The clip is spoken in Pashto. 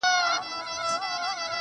راځه د اوښکو تويول در زده کړم.